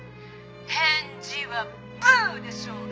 返事はブーでしょうが！